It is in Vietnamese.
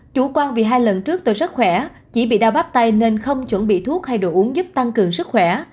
chủ quan vì hai lần trước tôi rất khỏe chỉ bị đau bắp tay nên không chuẩn bị thuốc hay đồ uống giúp tăng cường sức khỏe